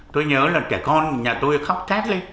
tôi nhớ là trẻ con nhà tôi khóc khét lấy